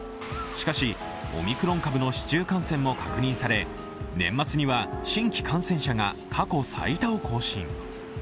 しかし、オミクロン株の市中感染も確認され、年末には新規感染者が過去最多を更新。